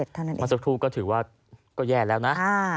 ๑๖๑๗เท่านั้นเองมาสักครู่ก็ถือกว่าก็แย่แล้วนะ